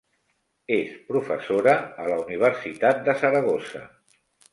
És professora a la Universitat de Saragossa.